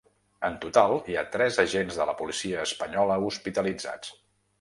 En total, hi ha tres agents de la policia espanyola hospitalitzats.